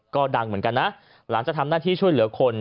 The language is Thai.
ก็ดังเหมือนกันนะหลังจากทำหน้าที่ช่วยเหลือคน